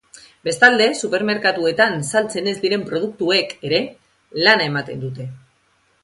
Bestalde, supermerkatuetan saltzen ez diren produktuek ere lana ematen dute.